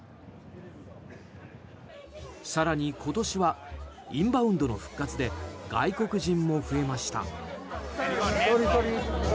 更に今年はインバウンドの復活で外国人も増えました。